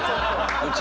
うち。